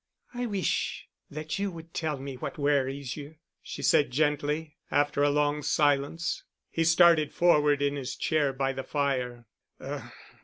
"I wish that you would tell me what worries you," she said gently, after a long silence. He started forward in his chair by the fire.